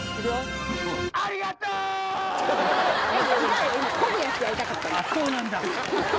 あっそうなんだ